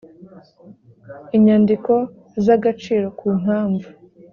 inyandiko z agaciro ku mpamvu